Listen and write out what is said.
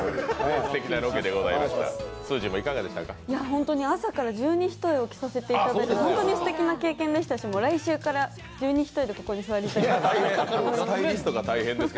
本当に朝から十二単を着させていただいて本当にすてきな経験でしたし来週から十二単でここに座りたいです。